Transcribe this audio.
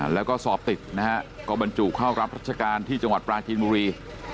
แล้วก็สอบติดนะฮะก็บรรจุเข้ารับรัชการที่จังหวัดปลาจีนบุรี